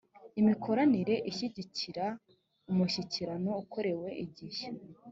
imikoranire ishyigikira umushyikirano ukorewe igihe